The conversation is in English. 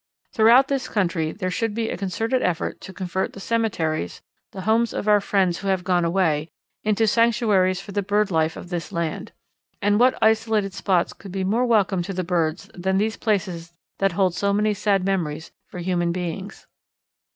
Throughout this country there should be a concerted effort to convert the cemeteries, the homes of our friends who have gone away, into sanctuaries for the bird life of this land. And what isolated spots could be more welcome to the birds than these places that hold so many sad memories for human beings?